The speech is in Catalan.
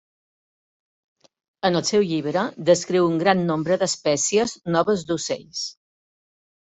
En el seu llibre descriu un gran nombre d'espècies noves d'ocells.